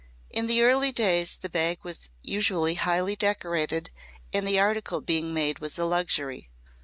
In the early days the bag was usually highly decorated and the article being made was a luxury.